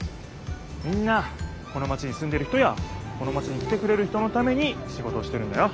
みんなこのマチにすんでる人やこのマチに来てくれる人のためにシゴトをしてるんだよ。